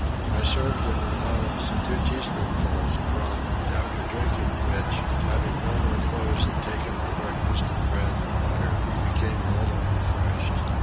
I served an allowance of two teaspoonfuls of rum, after drinking which, having wrung our clothes and taken our breakfast of bread and water, we became a little refreshed.